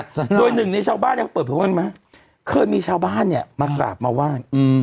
ใช่ค่ะโดยหนึ่งในชาวบ้านเนี่ยเปิดเปิดไม่มาเคยมีชาวบ้านเนี่ยมากราบมาว่างอืม